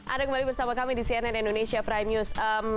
ada kembali bersama kami di cnn indonesia prime news